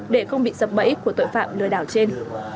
để không bị dập bẫy của tội phạm lừa đảo chiếm